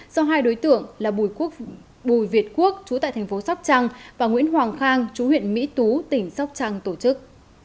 do hai đối tượng là bùi việt quốc chú tại thành phố sóc trăng và nguyễn hoàng khang chú huyện mỹ tú tỉnh sóc trăng tổ chức